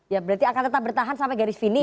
ya berarti akan tetap bertahan sampai garis finis